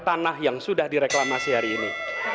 tanah yang sudah direklamasi hari ini